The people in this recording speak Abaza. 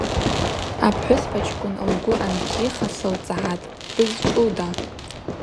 Апхӏвыспачкӏвын лгвы анбзиха, сылцӏгӏатӏ: Бызчӏвуда?